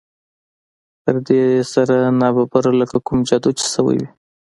په دې سره ناببره لکه کوم جادو چې شوی وي